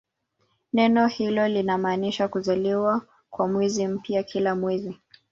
Neno hilo linamaanisha "kuzaliwa" kwa mwezi mpya kila mwezi.